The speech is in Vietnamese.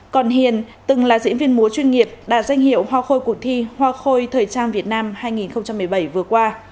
còn hiền từng là diễn viên múa chuyên nghiệp đạt danh hiệu hoa khôi cuộc thi hoa khôi thời trang việt nam hai nghìn một mươi bảy vừa qua